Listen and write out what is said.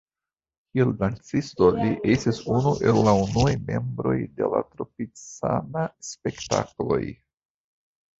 Kiel dancisto li estis unu el la unuaj membroj de la Tropicana-Spektakloj.